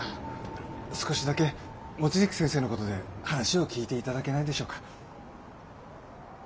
少しだけ望月先生の事で話を聞いて頂けないでしょうか？